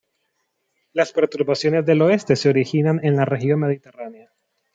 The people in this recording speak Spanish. Las perturbaciones del oeste se originan en la región mediterránea.